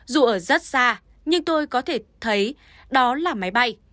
dù ở rất xa nhưng tôi có thể thấy đó là máy bay